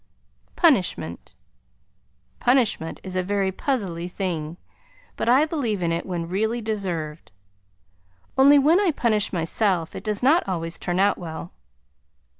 PUNISHMENT Punishment is a very puzzly thing, but I believe in it when really deserved, only when I punish myself it does not always turn out well.